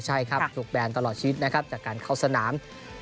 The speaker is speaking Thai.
ใช่ครับถูกแบนตลอดชีวิตนะครับจากการเข้าสนาม